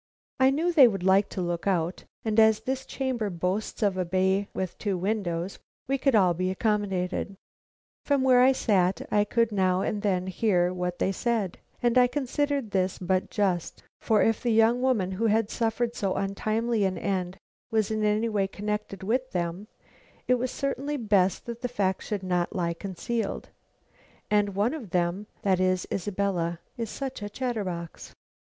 I knew they would like to look out, and as this chamber boasts of a bay with two windows, we could all be accommodated. From where I sat I could now and then hear what they said, and I considered this but just, for if the young woman who had suffered so untimely an end was in any way connected with them, it was certainly best that the fact should not lie concealed; and one of them, that is Isabella, is such a chatterbox.